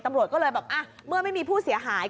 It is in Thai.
ตำรวจก็เลยแบบเมื่อไม่มีผู้เสียหาย